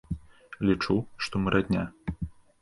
Лічу, што мы радня.